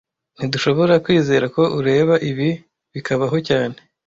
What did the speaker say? Ntidushobora kwizera ko ureka ibi bikabaho cyane